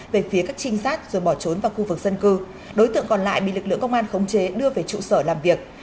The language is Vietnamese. về phía các trinh sát rồi bỏ trốn vào khu vực dân cư đối tượng còn lại bị lực lượng công an khống chế đưa về trụ sở làm việc